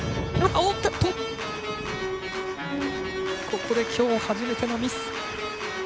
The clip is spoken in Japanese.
ここで、きょう初めてのミス。